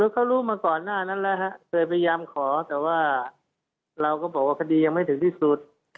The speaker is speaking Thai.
เขารู้มาก่อนหน้านั้นแล้วฮะเคยพยายามขอแต่ว่าเราก็บอกว่าคดียังไม่ถึงที่สุด